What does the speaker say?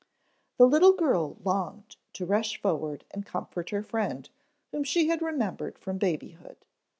The little girl longed to rush forward and comfort her friend whom she had remembered from babyhood.